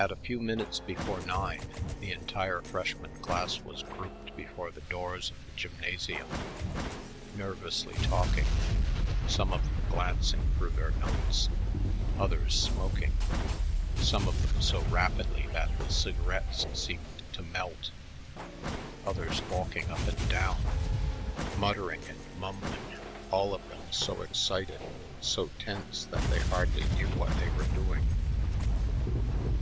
At a few minutes before nine the entire freshman class was grouped before the doors of the gymnasium, nervously talking, some of them glancing through their notes, others smoking some of them so rapidly that the cigarettes seemed to melt, others walking up and down, muttering and mumbling; all of them so excited, so tense that they hardly knew what they were doing.